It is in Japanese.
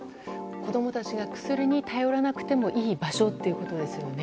子供たちが薬に頼らなくてもいい場所ということですよね。